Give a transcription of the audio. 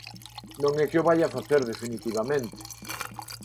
Non é que o vaia facer definitivamente.